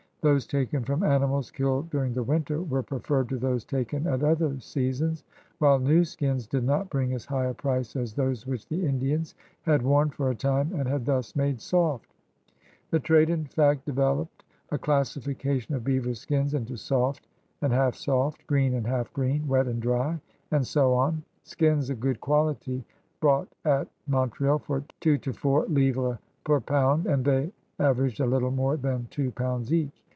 Those taken from animals kiUed during the winter were preferred to those taken at other seasons, while new skins did not bring as high a price as those which the Indian had worn for a time and had thus made soft. The trade, in fact, developed a classification of beaver skins into soft and half soft, green and half green, wet and dry, and so on. Skins of good quality brought at Montreal from two to four livres per pound! and they aver aged a little more than two pounds each.